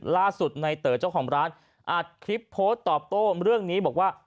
ล่าสุดในเต๋อเจ้าของร้านอัดคลิปโพสต์ตอบโต้เรื่องนี้บอกว่า